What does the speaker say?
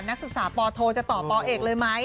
นักศึกษาปโทจะต่อปเอกเลยไหม